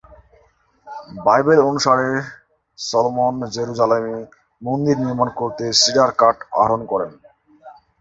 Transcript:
Bible অনুসারে Solomon জেরুজালেমে মন্দির নির্মাণ করতে সিডার কাঠ আহরণ করেন।